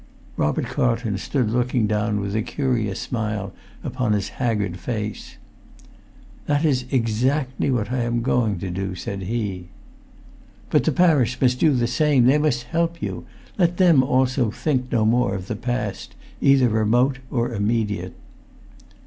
Robert Carlton stood looking down with a curious smile upon his haggard face. "That is exactly what I am going to do," said he. "But the parish must do the same; they must help you. Let them also think no more of the past, either remote or immediate."